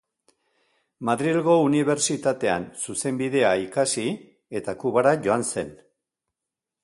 Madrilgo Unibertsitatean zuzenbidea ikasi eta Kubara joan zen.